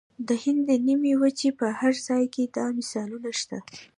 د هند د نیمې وچې په هر ځای کې دا مثالونه شته.